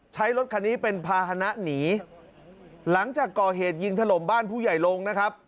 ใช้รถคันนี้เป็นภาษณะหนีหลังจากก่อเหตุยิงถล่มบ้านผู้ใหญ่ลงนะครับ